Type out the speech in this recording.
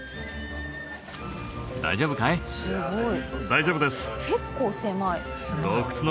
大丈夫です。